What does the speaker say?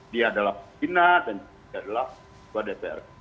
dia adalah pembina dan dia adalah ketua dpr